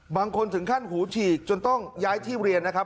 บางคนถึงขั้นหูฉีกจนต้องย้ายที่เรียนนะครับ